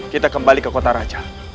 kita kembali ke kota raja